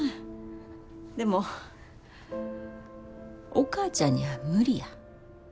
でもお母ちゃんには無理や。